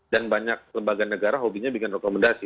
dan banyak lembaga negara hobinya bikin rekomendasi